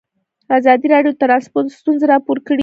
ازادي راډیو د ترانسپورټ ستونزې راپور کړي.